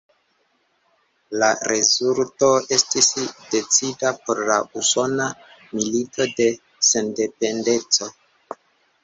La rezulto estis decida por la Usona Milito de Sendependeco.